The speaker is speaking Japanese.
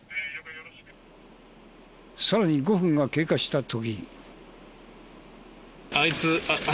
さらに５分が経過した時。